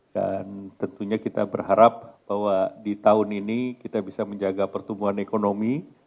dan tentunya kita berharap bahwa di tahun ini kita bisa menjaga pertumbuhan ekonomi